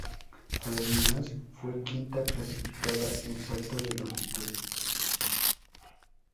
Además fue quinta clasificada en salto de longitud.